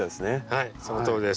はいそのとおりです。